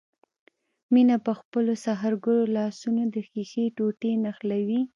مينه په خپلو سحرګرو لاسونو د ښيښې ټوټې نښلوي.